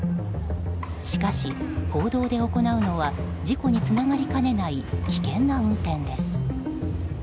しかし、公道で行うのは事故につながりかねない危険な運転です。